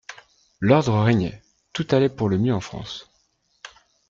L'ordre régnait, tout allait pour le mieux en France.